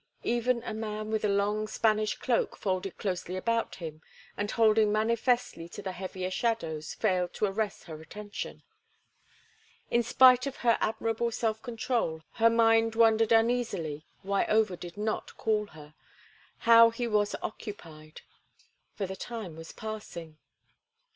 Even a man with a long Spanish cloak folded closely about him and holding manifestly to the heavier shadows failed to arrest her attention. In spite of her admirable self control her mind wondered uneasily why Over did not call her, how he was occupied; for the time was passing.